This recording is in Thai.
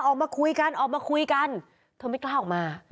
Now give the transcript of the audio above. ออกมาคุยกันออกมาคุยกันเธอไม่กล้าออกมา